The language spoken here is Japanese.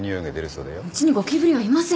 うちにゴキブリはいません。